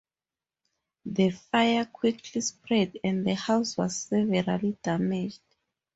The fire quickly spread and the house was severely damaged.